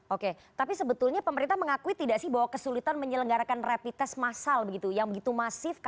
oke tapi sebetulnya pemerintah mengakui tidak sih bahwa kesulitan menyelenggarakan rapid test massal begitu yang begitu masif